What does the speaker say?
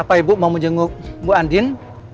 apa ibu mau menjenguk ibu andin